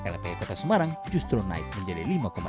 lpe kota semarang justru naik menjadi lima delapan